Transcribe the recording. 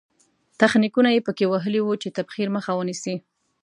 تخنیکونه یې په کې وهلي وو چې تبخیر مخه ونیسي.